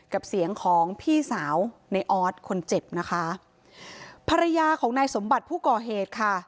กับเสียงของพี่สาวในออสคนเจ็บนะคะภรรยาของนายสมบัติผู้ก่อเหตุค่ะ